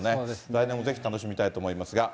来年もぜひ楽しみたいと思いますが。